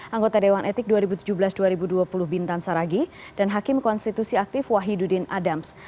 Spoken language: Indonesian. anggota dewan etik dua ribu tujuh belas dua ribu dua puluh bintan saragi dan hakim konstitusi aktif wahidudin adams